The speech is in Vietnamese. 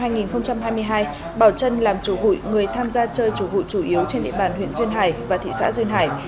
năm hai nghìn hai mươi hai bảo trân làm chủ hụi người tham gia chơi chủ hụi chủ yếu trên địa bàn huyện duyên hải và thị xã duyên hải